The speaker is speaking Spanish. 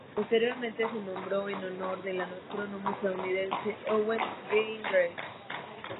Posteriormente se nombró en honor del astrónomo estadounidense Owen Gingerich.